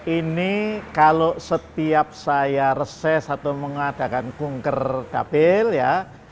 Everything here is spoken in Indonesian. ini kalau setiap saya reses atau mengadakan kunker dapil ya